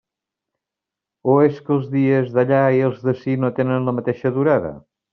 O és que els dies d'allà i els d'ací no tenen la mateixa durada?